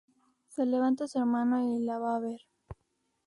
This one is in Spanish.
Se levanta su hermano y la va a ver.